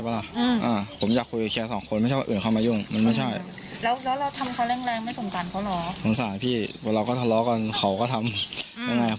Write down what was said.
พอเห็นแฟนบาดเจ็บแบบนี้แล้วเค้าก็ตั้งคัน